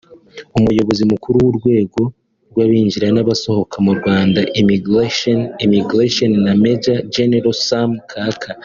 Umuyobozi mukuru w’urwego rw’abinjira n’abasohoka mu Rwanda(Emmigration &immigration) na Maj General Sam Kaka